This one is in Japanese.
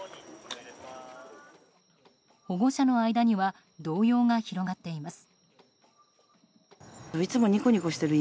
保護者の間には動揺が広がっています。